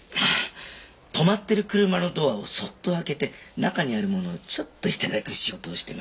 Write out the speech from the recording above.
止まってる車のドアをそっと開けて中にあるものをちょっと頂く仕事をしてます。